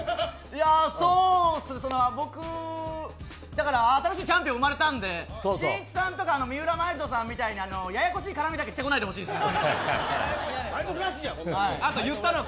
そうですね、僕だから新しいチャンピオンが生まれたんでしんいちさんとかみたいなややこしい絡みだけしてこないでほしいですね。